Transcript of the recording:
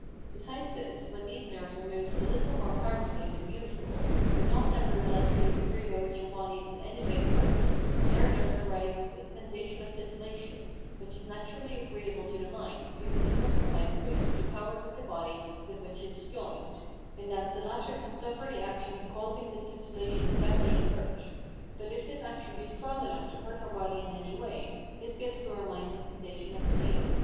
Besides this, when these nerves are moved a little more powerfully than usual, but not nevertheless to the degree by which our body is in any way hurt, there thus arises a sensation of titillation, which is naturally agreeable to the mind, because it testifies to it of the powers of the body with which it is joined, [in that the latter can suffer the action causing this titillation, without being hurt]. But if this action be strong enough to hurt our body in any way, this gives to our mind the sensation of pain.